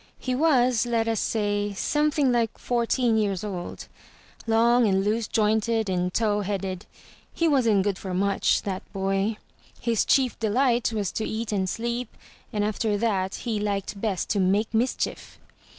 He was, let us say, something like fourteen years old; long and loose jointed and tow headed. He wasn't good for much, that boy. His chief delight was to eat and sleep, and after that he liked best to make mischief.